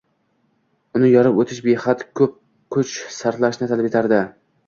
uni yorib o‘tish behad ko‘p kuch sarflashni talab etardi.